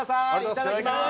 いただきます。